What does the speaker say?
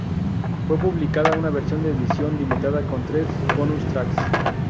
Fue publicada una versión de edición limitada con tres bonus tracks.